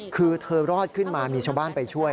คือเธอรอดขึ้นมามีชาวบ้านไปช่วย